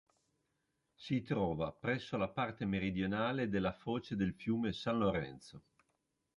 Si trova presso la parte meridionale della foce del fiume San Lorenzo.